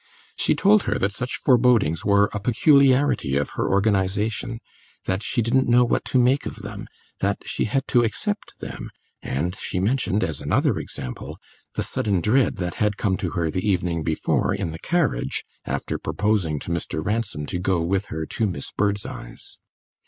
She told her that such forebodings were a peculiarity of her organisation, that she didn't know what to make of them, that she had to accept them; and she mentioned, as another example, the sudden dread that had come to her the evening before in the carriage, after proposing to Mr. Ransom to go with her to Miss Birdseye's.